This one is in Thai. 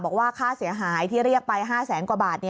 บอกว่าค่าเสียหายที่เรียกไป๕แสนกว่าบาท